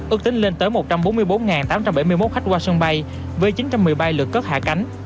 ước tính lên tới một trăm bốn mươi bốn tám trăm bảy mươi một khách qua sân bay với chín trăm một mươi ba lượt cất hạ cánh